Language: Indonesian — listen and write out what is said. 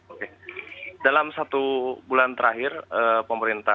oke dalam satu bulan terakhir pemerintah